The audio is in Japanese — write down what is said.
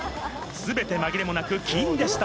全てまぎれもなく金でした！